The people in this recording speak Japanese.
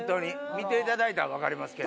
見ていただいたら分かりますけど。